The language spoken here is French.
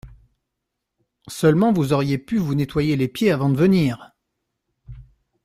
Seulement, vous auriez pu vous nettoyer les pieds avant de venir…